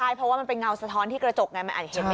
ใช่เพราะว่ามันเป็นเงาสะท้อนที่กระจกไงมันอาจจะเห็นไหม